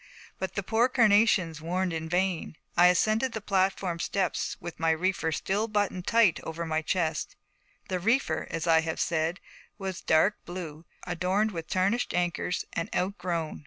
But the poor carnations warned in vain. I ascended the platform steps with my reefer still buttoned tightly over my chest. The reefer, as I have said, was dark blue, adorned with tarnished anchors, and outgrown.